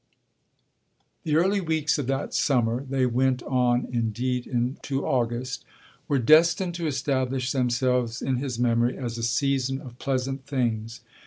The early weeks of that summer they went on indeed into August were destined to establish themselves in his memory as a season of pleasant things.